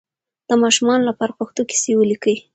د ماشومانو لپاره پښتو کیسې ولیکئ.